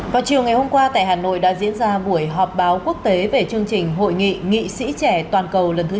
vào chiều ngày hôm qua tại hà nội đã diễn ra buổi họp báo quốc tế về chương trình hội nghị nghị sĩ trẻ toàn cầu lần thứ chín